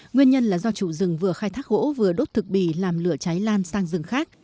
nguyên nhân là do chủ rừng vừa khai thác gỗ vừa đốt thực bì làm lửa cháy lan sang rừng khác